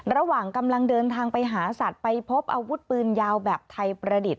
ระหว่างกำลังเดินทางไปหาสัตว์ไปพบอาวุธปืนยาวแบบไทยประดิษฐ